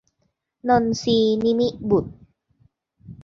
นนทรีย์ นิมิบุตร